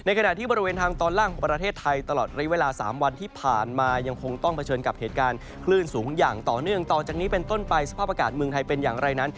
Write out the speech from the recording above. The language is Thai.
อย่างต่อเนเอิ่มตอนจากนี้เป็นต้นไปสภาพอากาศเมืองไทยเป็นอย่างไรนั้น